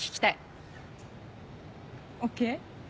ＯＫ。